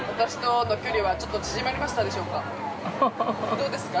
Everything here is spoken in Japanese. ◆どうですか。